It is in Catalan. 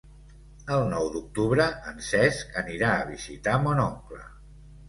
El nou d'octubre en Cesc anirà a visitar mon oncle.